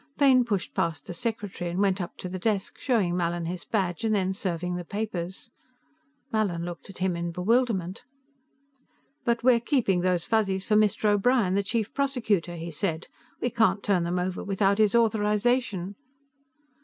Fane pushed past the secretary and went up to the desk, showing Mallin his badge and then serving the papers. Mallin looked at him in bewilderment. "But we're keeping those Fuzzies for Mr. O'Brien, the Chief Prosecutor," he said. "We can't turn them over without his authorization."